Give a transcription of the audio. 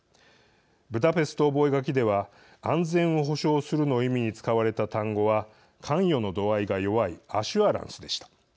ブダペスト覚書では安全を保障するの意味に使われた単語は関与の度合いが弱いａｓｓｕｒａｎｃｅでした。